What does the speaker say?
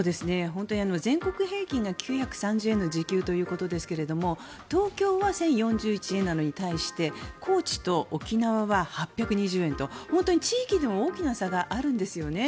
本当に全国平均が９３０円の時給ということですけれども東京は１０４１円なのに対して高知と沖縄は８２０円と地域の大きな差があるんですね。